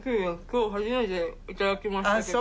今日初めていただきましたけど。